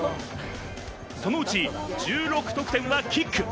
そのうち１６得点はキック。